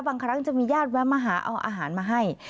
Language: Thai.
บางครั้งจะมีญาติแวะมาหาเอาอาหารมาให้